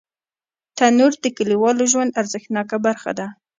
تنور د کلیوالو ژوند ارزښتناکه برخه ده